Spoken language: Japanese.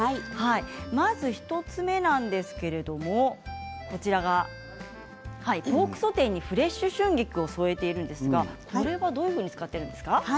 まず１つ目なんですがポークソテーにフレッシュ春菊を添えているんですがこれはどういうふうに使っているんですか？